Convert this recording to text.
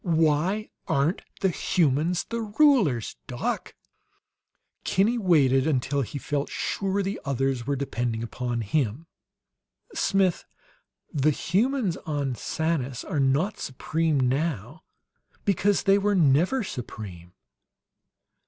Why aren't the humans the rulers, doc?" Kinney waited until he felt sure the others were depending upon him. "Smith, the humans on Sanus are not supreme now because they were NEVER supreme."